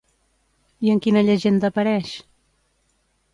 I en quina llegenda apareix?